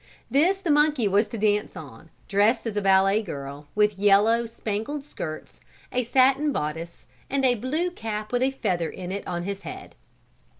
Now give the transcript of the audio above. This the monkey was to dance on, dressed as a ballet girl, with yellow, spangled skirts, a satin bodice and a blue cap with a feather in it on his head.